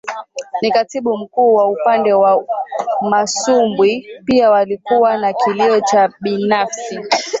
ni Katibu Mkuu wa Upande wa masumbwi pia walikuwa na kilio chao Binafsi